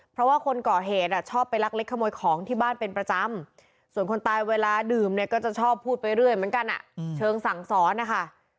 เพราะว่าคนก่อเหตุชอบไปลักเล็กขโมยของที่บ้านเป็นประจำส่วนคนตายเวลาดื่มเนี่ยก็จะชอบพูดไปเรื่อยเหมือนกันเชิงสั่งสอนนะคะ